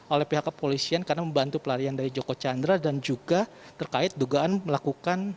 oleh pihak kepolisian karena membantu pelarian dari joko chandra dan juga terkait dugaan melakukan